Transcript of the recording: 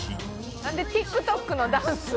なんでＴｉｋＴｏｋのダンスを。